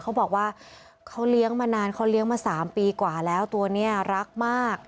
เขาบอกว่าเขาเลี้ยงมานานเขาเลี้ยงมา๓ปีกว่าแล้วตัวนี้รักมาก